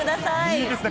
いいですね。